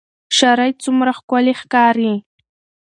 شرۍ څومره ښکلې ښکاري